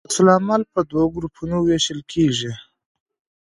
عکس العمل په دوه ګروپونو ویشل کیږي.